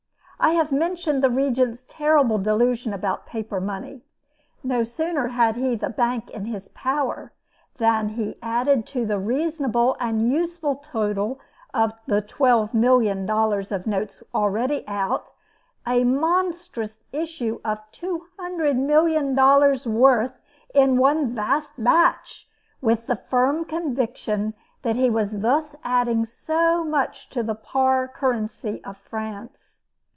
I have mentioned the Regent's terrible delusion about paper money. No sooner had he the bank in his power, than he added to the reasonable and useful total of $12,000,000 of notes already out, a monstrous issue of $200,000,000 worth in one vast batch, with the firm conviction that he was thus adding so much to the par currency of France.